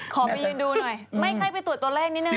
ขอไปยืนดูหน่อยไม่ค่อยไปตรวจตัวเลขนิดนึ